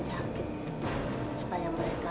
sakit supaya mereka